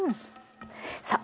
さあ